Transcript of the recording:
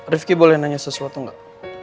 rifqi boleh nanya sesuatu enggak